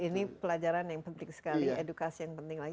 ini pelajaran yang penting sekali edukasi yang penting lagi